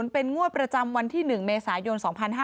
เป็นงวดประจำวันที่๑เมษายน๒๕๕๙